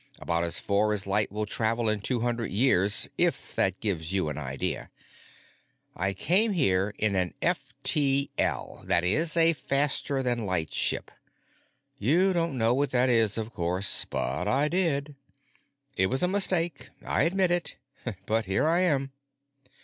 About as far as light will travel in two hundred years, if that gives you an idea. I came here in an F T L—that is, a faster than light ship. You don't know what that is, of course, but I did. It was a mistake, I admit it. But here I am."